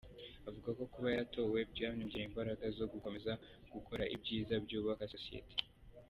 Avuga ko kuba yaratowe byamwongereye imbaraga zo gukomeza gukora ibyiza byubaka sosiyete.